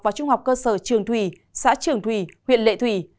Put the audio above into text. và trung học cơ sở trường thủy xã trường thủy huyện lệ thủy